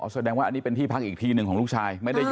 แสดงว่าอันนี้เป็นที่พักอีกทีหนึ่งของลูกชาย